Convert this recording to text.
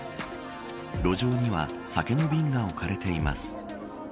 路上には酒の瓶が置かれています。